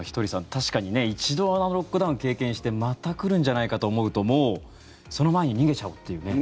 確かに一度あのロックダウンを経験してまた来るんじゃないかと思うともうその前に逃げちゃおうというね。